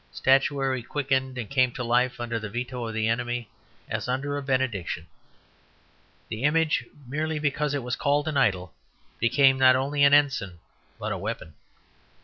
Statuary quickened and came to life under the veto of the enemy as under a benediction. The image, merely because it was called an idol, became not only an ensign but a weapon.